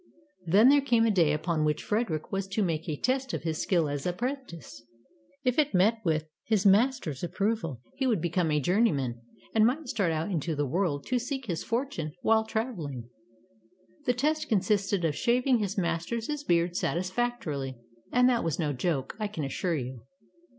Then there came a day upon which Frederick was to make a test of his skill as apprentice. If it met with his master's approval he would become a journeyman, and might start out into the world, to seek his fortune while traveling. The test consisted of shaving his master's beard satisfactorily, and that was no joke, I can assure you.